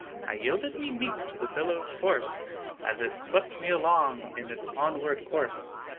I yielded me meek to the billow's force, As it swept me along in its onward course.